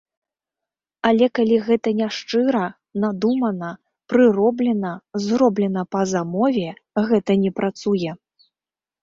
Але калі гэта няшчыра, надумана, прыроблена, зроблена па замове, гэта не працуе.